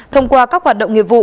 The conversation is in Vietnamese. thông qua các hoạt động nghiệp vụ